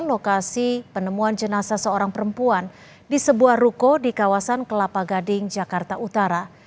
lokasi penemuan jenazah seorang perempuan di sebuah ruko di kawasan kelapa gading jakarta utara